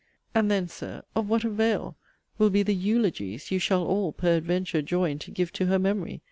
And then, Sir, of what avail will be the 'eulogies' you shall all, peradventure, join to give to her memory?